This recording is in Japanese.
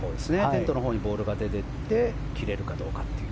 テントのほうにボールが出ていって切れるかどうか。